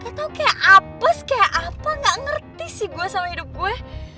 atau kayak apes kayak apa gak ngerti sih gue sama hidup gue